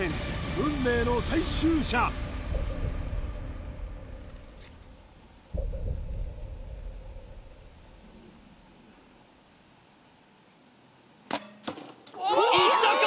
運命の最終射いったか？